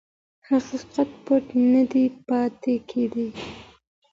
حقیقت پټ نه پاتې کېږي.